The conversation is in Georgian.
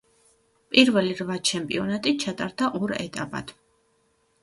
პირველი რვა ჩემპიონატი ჩატარდა ორ ეტაპად.